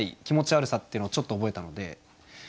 気持ち悪さっていうのをちょっと覚えたので。